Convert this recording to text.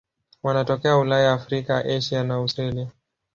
Wanatokea Ulaya, Afrika, Asia na Australia.